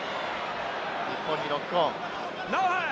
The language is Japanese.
日本にノックオン。